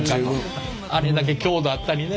あれだけ強度あったりね。